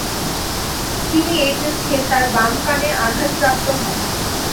এই যুদ্ধে তিনি তাঁর বাম কানে আঘাতপ্রাপ্ত হন।